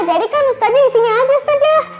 jadi kan ustazah di sini aja ustazah